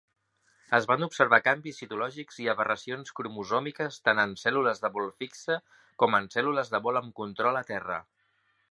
Es van observar canvis citològics i aberracions cromosòmiques tant en cèl·lules de vol fixes com en cèl·lules de vol amb control a terra.